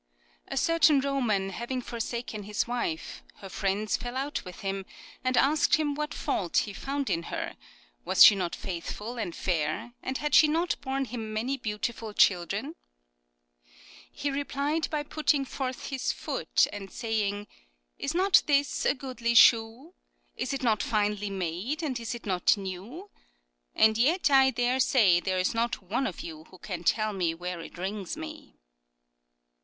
" A certain Roman having forsaken his wife, her friends fell out with him, and asked him what fault he found in her ; POPULAR PROVERBS 273 was she not faithful and fair, and had she not borne him many beautiful children ?" He replied by putting forth his foot and saying, " Is not this a goodly shoe ? Is it not finely made, and is it not new ? And yet I dare say there is not one of you who can tell me where it wrings me."